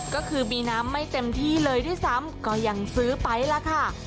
ก็คือมีน้ำไม่เต็มที่เลยด้วยซ้ำก็ยังซื้อไปล่ะค่ะ